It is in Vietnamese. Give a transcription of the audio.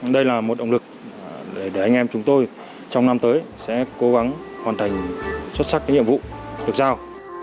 đây là một động lực để anh em chúng tôi trong năm tới sẽ cố gắng hoàn thành xuất sắc cái nhiệm vụ được giao